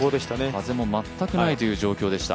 風も全くないという状況でした。